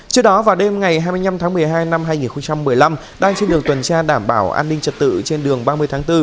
trước đó vào đêm ngày hai mươi năm tháng một mươi hai năm hai nghìn một mươi năm đang trên đường tuần tra đảm bảo an ninh trật tự trên đường ba mươi tháng bốn